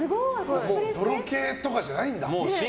ドロ警とかじゃないんだ。